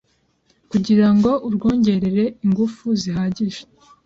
Kugirango urwongerere ingufu zihagije